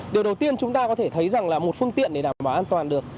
điều đầu tiên chúng ta có thể thấy rằng là một phương tiện để đảm bảo an toàn được